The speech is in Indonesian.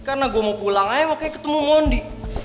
karena gue mau pulang aja makanya ketemu mondi